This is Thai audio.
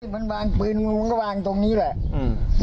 มันวางปืนงูมันก็วางตรงนี้แหละอืม